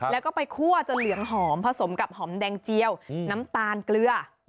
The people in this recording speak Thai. แล้วก็ไปคั่วจนเหลืองหอมผสมกับหอมแดงเจียวน้ำตาลเกลือ